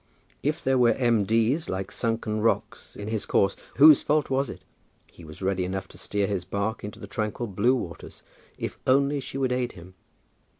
If there were M. D.'s, like sunken rocks, in his course, whose fault was it? He was ready enough to steer his bark into the tranquil blue waters, if only she would aid him.